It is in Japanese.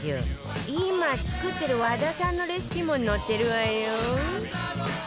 今作ってる和田さんのレシピも載ってるわよ